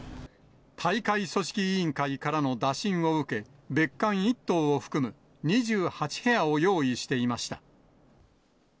大会組織委員会からの打診を受け、別館１棟を含む２８部屋を用意していました。